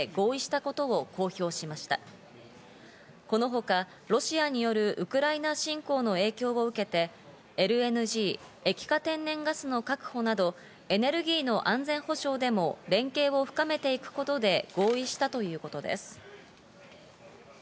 このほか、ロシアによるウクライナ侵攻の影響を受けてＬＮＧ＝液化天然ガスの確保など、エネルギーの安全保障でも連携を深めていくことで合意したということです。